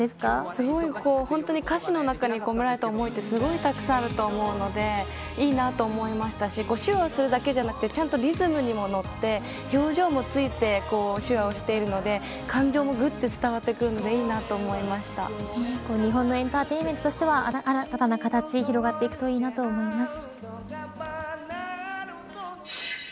すごいほんとに、歌詞の中に込められた思いってたくさんあると思うのでいいなと思いましたし手話をするだけじゃなくてちゃんとリズムにも乗って表情もついて手話をしているので感情もぐっと伝わってくるので日本のエンターテインメントとしては、新たな形広がっていくといいなと思います。